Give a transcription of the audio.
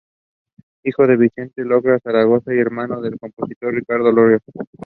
She became interested in acting while in primary school.